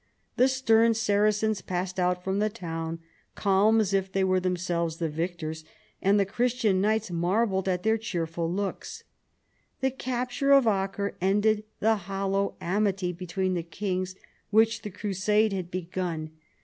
The stern Saracens passed out from the town, calm as if they were them selves the victors, and the Christian knights marvelled at their cheerful looks. The capture of Acre ended the hollow amity between the kings which the crusade had begun.